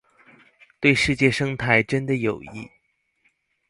對世界生態真的有益